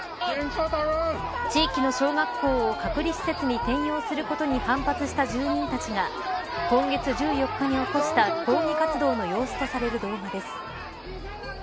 地域の小学校を隔離施設に転用することに反発した住民たちが今月１４日に起こした抗議活動の様子とされる動画です。